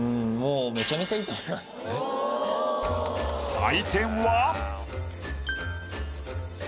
採点は？